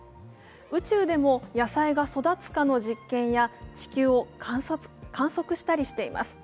宇宙でも野菜が育つかの実験や地球を観測したりしています。